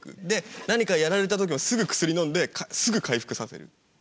で何かやられた時もすぐ薬のんですぐ回復させる。